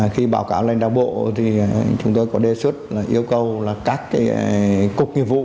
khi báo cáo lên đạo bộ thì chúng tôi có đề xuất yêu cầu các cục nghiệp vụ